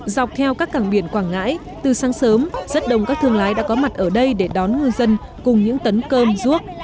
dọc theo các cảng biển quảng ngãi từ sáng sớm rất đông các thương lái đã có mặt ở đây để đón ngư dân cùng những tấn cơm ruốc